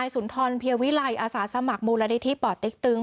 สุนทรพิยวิไรอาศาสมัครมูลฤทธิปดติ๊กตึ้ง